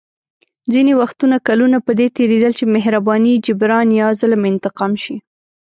ځینې وختونه کلونه په دې تېرېدل چې مهرباني جبران یا ظلم انتقام شي.